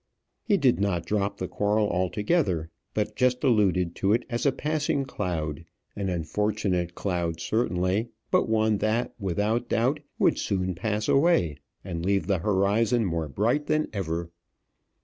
He did not drop the quarrel altogether; but just alluded to it as a passing cloud an unfortunate cloud certainly, but one that, without doubt, would soon pass away, and leave the horizon more bright than ever.